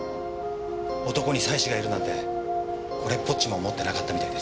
男に妻子がいるなんてこれっぽっちも思ってなかったみたいです。